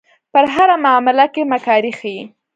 په هره معامله کې مکاري ښيي.